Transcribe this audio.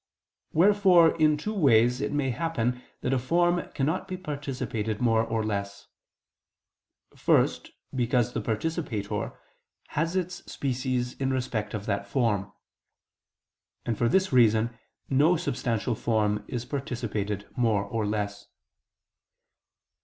Wherefore in two ways it may happen that a form cannot be participated more or less. First because the participator has its species in respect of that form. And for this reason no substantial form is participated more or less.